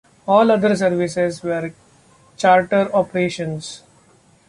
All other services were charter operations.